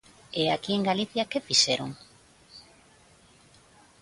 E aquí en Galicia ¿que fixeron?